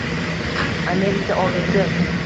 «Amerika orzusi»